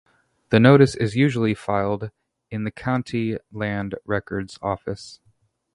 The notice is usually filed in the county land records office.